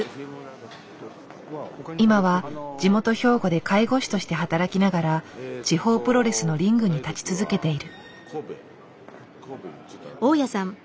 今は地元兵庫で介護士として働きながら地方プロレスのリングに立ち続けている。